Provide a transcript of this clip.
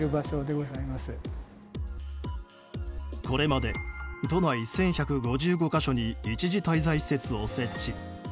これまで都内１１５５か所に一時滞在施設を設置。